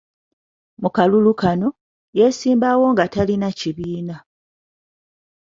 Mu kalulu kano, yesimbawo nga talina kibiina